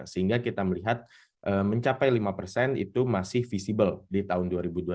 sehingga kita melihat mencapai lima persen itu masih visible di tahun dua ribu dua puluh satu